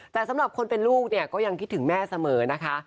แต่สำหรับคนเป็นลูกเนี่ยก็ยังคิดถึงแม่เสมอนะคะ